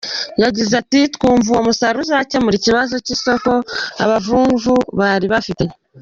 Yagize ati “Twumva uwo musaruro uzakemura ikibazo cy’isoko abavumvu bari bafite.